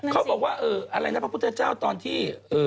เขาบอกว่าอะไรนะพระพุทธเจ้าตอนที่